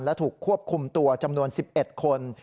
และถูกควบคุมตัวจำนวน๑๑คน